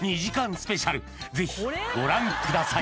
スペシャルぜひご覧ください